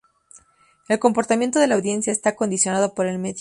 El comportamiento de la audiencia está condicionado por el medio.